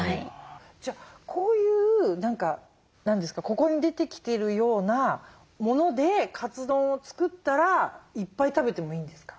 じゃこういうここに出てきてるようなものでカツ丼を作ったらいっぱい食べてもいいんですか？